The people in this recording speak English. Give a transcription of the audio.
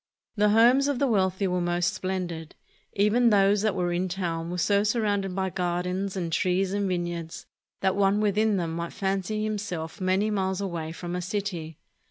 The homes of the wealthy were most splendid. Even those that were in town were so surrounded by gardens and trees and vineyards that one within them might fancy himself many miles away from a city.